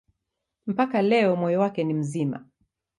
Mpaka leo moyo wake ni mzima.